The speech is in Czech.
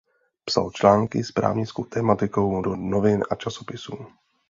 Psal články s právnickou tematikou do novin a časopisů.